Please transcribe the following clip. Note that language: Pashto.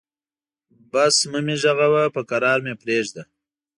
بس مه مې غږوه، به کرار مې پرېږده.